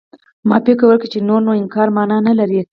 ما فکر وکړ چې نور نو انکار مانا نه لري.